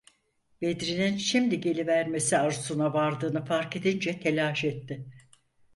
Bedri’nin şimdi gelivermesi arzusuna vardığını fark edince telaş etti.